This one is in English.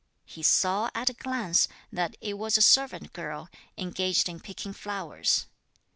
He saw at a glance that it was a servant girl engaged in picking flowers.